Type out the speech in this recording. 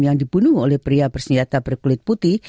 yang dibunuh oleh pria bersenjata berkulit putih